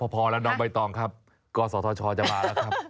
พอแล้วน้องใบตองครับกศธชจะมาแล้วครับ